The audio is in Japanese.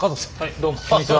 どうもこんにちは。